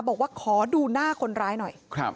บอกว่าขอดูหน้าคนร้ายหน่อย